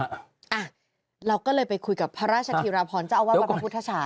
อ่ะเราก็เลยไปคุยกับพระราชธิราพรเจ้าอาวาสวัดพระพุทธศาส